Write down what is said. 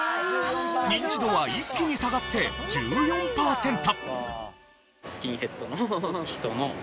ニンチドは一気に下がって１４パーセント。